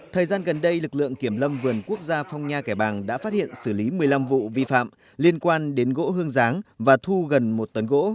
thời gian gần đây lực lượng kiểm lâm vườn quốc gia phong nha kẻ bàng đã phát hiện xử lý một mươi năm vụ vi phạm liên quan đến gỗ hương giáng và thu gần một tấn gỗ